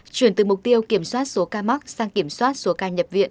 chuyển từ mục tiêu kiểm soát số ca mắc sang kiểm soát số ca nhập viện